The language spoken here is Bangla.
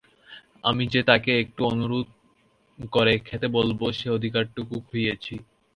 আমি যে তাঁকে একটু অনুরোধ করে খেতে বলব সে অধিকারটুকু খুইয়েছি।